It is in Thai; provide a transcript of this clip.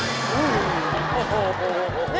โอ้โห